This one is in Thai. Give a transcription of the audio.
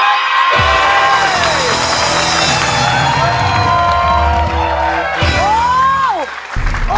เดี๋ยวก่อนคุณแม่